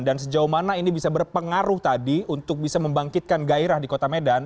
dan sejauh mana ini bisa berpengaruh tadi untuk bisa membangkitkan gairah di kota medan